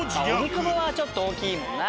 荻窪はちょっと大きいもんな。